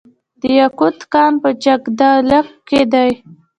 د یاقوت کان په جګدلک کې دی